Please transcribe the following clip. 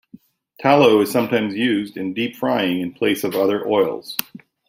Tallow is sometimes used in deep frying in place of other oils.